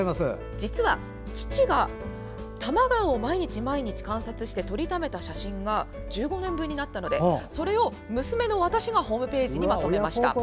実は、父が多摩川を毎日毎日観察して撮りためた写真が１５年分になったのでそれを娘の私がホームページにまとめました。